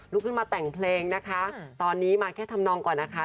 ขึ้นมาแต่งเพลงนะคะตอนนี้มาแค่ทำนองก่อนนะคะ